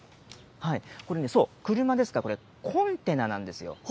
これね、そう、車ですから、コンテナなんですよ。